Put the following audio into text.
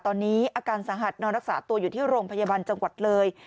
ตอนนี้อาการสาหัสนอนรักษาตัวอยู่ที่โรงพยาบาลจังหวัดเลย